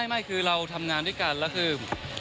ไม่คือเราทำงานด้วยกันแล้วคือ